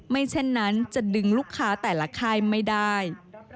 เช่นนั้นจะดึงลูกค้าแต่ละค่ายไม่ได้